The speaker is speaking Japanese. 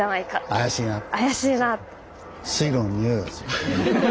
怪しいなって。